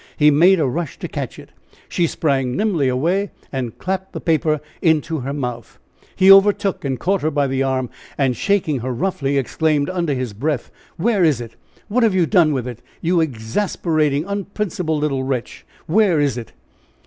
He made a rush to catch it. She sprang nimbly away, and clapped the paper into her mouth. He overtook and caught her by the arm, and shaking her roughly, exclaimed, under his breath: "Where is it? What have you done with it? You exasperating, unprincipled little wretch, where is it?"